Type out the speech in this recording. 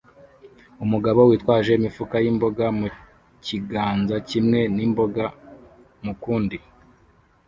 Umugabo witwaje imifuka yimboga mukiganza kimwe nimboga mukundi